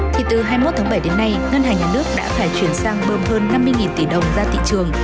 thì từ hai mươi một tháng bảy đến nay ngân hàng nhà nước đã phải chuyển sang bơm hơn năm mươi tỷ đồng ra thị trường